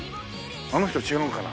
あの人違うかな？